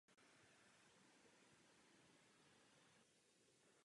Tento úspěch musíme chránit.